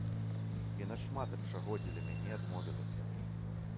Яна шмат ад чаго дзеля мяне адмовілася.